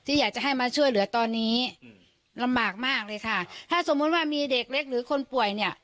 อยากจะให้มาช่วยเหลือตอนนี้อืมลำบากมากเลยค่ะถ้าสมมุติว่ามีเด็กเล็กหรือคนป่วยเนี่ย